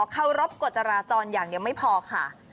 เคารพกฎจราจรอย่างเดียวไม่พอค่ะ